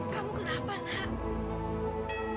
kamu kenapa nak